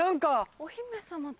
お姫様と？